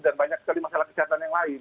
dan banyak sekali masalah kesehatan yang lain